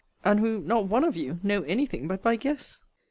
And who, not one of you, know any thing but by guess?